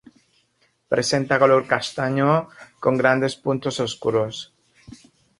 Presenta color castaño con grandes puntos oscuros.